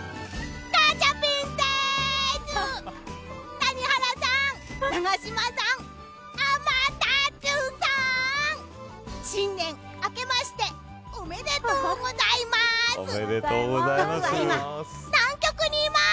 谷原さん、永島さん天達さん新年あけましておめでとうございます。